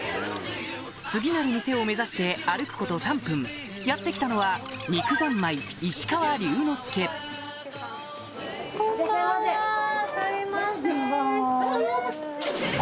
次なる店を目指して歩くこと３分やって来たのはいらっしゃいませ！